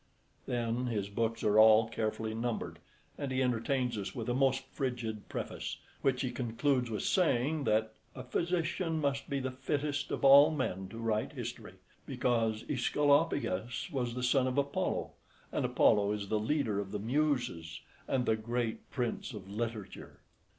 Then his books are all carefully numbered, and he entertains us with a most frigid preface, which he concludes with saying that "a physician must be the fittest of all men to write history, because AEsculapius was the son of Apollo, and Apollo is the leader of the Muses, and the great prince of literature."